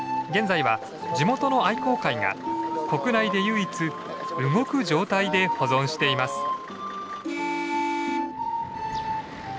現在は地元の愛好会が国内で唯一動く状態で保存しています。